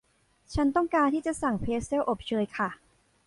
ฉันต้องการที่จะสั่งเพรทเซลอบเชยค่ะ